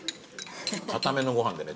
硬めのご飯でね